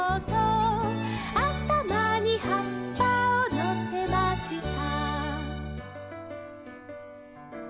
「あたまにはっぱをのせました」